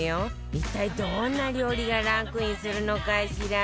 一体どんな料理がランクインするのかしら？